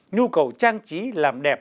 nhu cầu trang trí làm đẹp